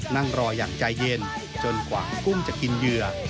นั่งรออย่างใจเย็นจนกว่ากุ้งจะกินเหยื่อ